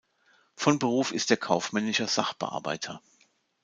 Von Beruf ist er kaufmännischer Sachbearbeiter.